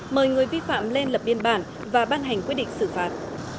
mời người vi phạm lên lập biên bản và ban hành quyết định xử phạt